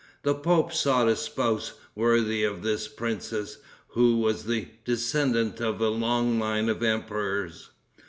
The pope sought a spouse worthy of this princess, who was the descendant of a long line of emperors.